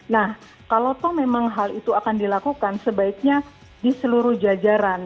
nah kalau memang hal itu akan dilakukan sebaiknya di seluruh jajaran